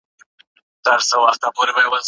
آيا په ټولنه کي د مطالعې ازادي سته؟